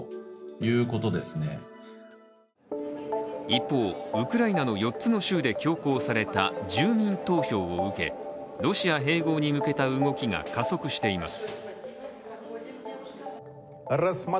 一方、ウクライナの４つの州で強行された住民投票を受けロシア併合に向けた動きが加速しています。